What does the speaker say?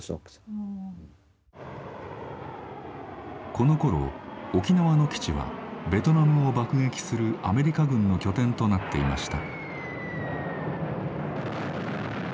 このころ沖縄の基地はベトナムを爆撃するアメリカ軍の拠点となっていました。